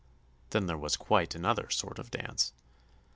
Then there was quite another sort of dance.